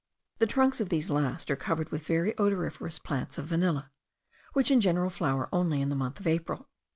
The trunks of these last are covered with very odoriferous plants of vanilla, which in general flower only in the month of April.